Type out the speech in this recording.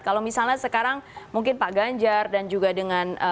kalau misalnya sekarang mungkin pak ganjar dan juga dengan